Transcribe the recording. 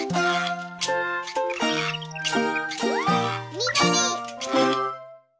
みどり！